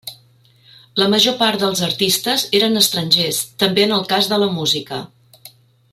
La major part dels artistes eren estrangers, també en el cas de la música.